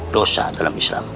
dosa dalam islam